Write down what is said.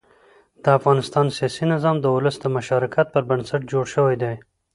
د افغانستان سیاسي نظام د ولس د مشارکت پر بنسټ جوړ شوی دی